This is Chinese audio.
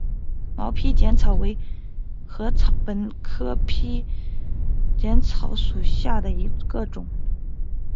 毛披碱草为禾本科披碱草属下的一个种。